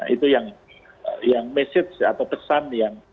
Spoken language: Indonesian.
itu yang pesan